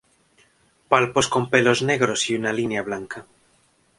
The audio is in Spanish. Palpos con pelos negros y una línea blanca.